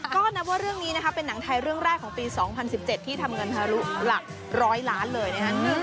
ก็นับว่าเรื่องนี้นะคะเป็นหนังไทยเรื่องแรกของปี๒๐๑๗ที่ทำเงินทะลุหลัก๑๐๐ล้านเลยนะครับ